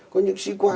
có những sĩ quan